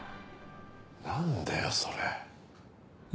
なんだよそれ。